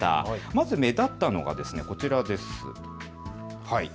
まず、目立ったのがこちらです。